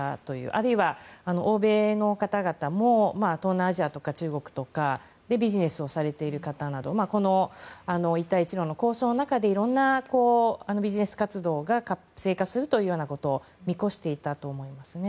あるいは欧米の方々も東南アジアとか中国とかでビジネスをされている方など一帯一路の構想の中でいろんなビジネス活動が活性化するということを見越していたと思いますね。